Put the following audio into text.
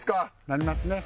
なりますね。